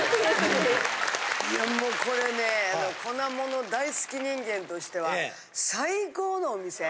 いやもうこれね粉もの大好き人間としては最高のお店。